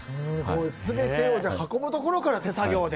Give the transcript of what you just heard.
全てを運ぶところから手作業で。